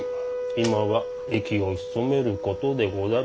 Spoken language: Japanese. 今は息を潜めることでござる。